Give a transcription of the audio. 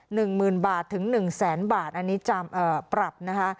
๑หมื่นบาทถึง๑แสนบาทอันนี้ปรับนะคะ